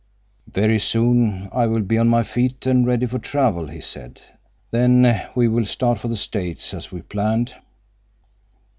"Very soon I will be on my feet and ready for travel," he said. "Then we will start for the States, as we planned."